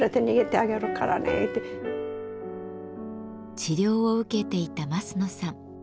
治療を受けていた増野さん。